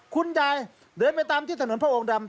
เดินไปตามที่ถนนพระองค์ดำ